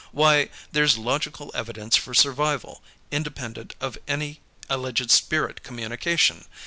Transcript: Why, there's logical evidence for survival, independent of any alleged spirit communication!